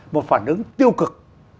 một phản ứng tiêu cực